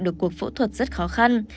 được cuộc phẫu thuật rất khó khăn